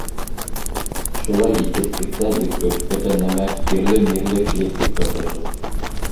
Шулай итеп иртән иртүк бөтә нәмә кирле-мирле килеп тик торҙо шул.